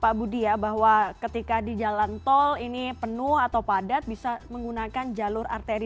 pak budi ya bahwa ketika di jalan tol ini penuh atau padat bisa menggunakan jalur arteri